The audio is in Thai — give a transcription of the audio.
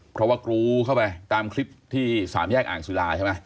เพราะว่ากรูเข้าไปตามคลิปที่สามแยกอ่างศิลาใช่ไหม